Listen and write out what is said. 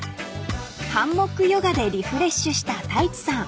［ハンモックヨガでリフレッシュした太一さん］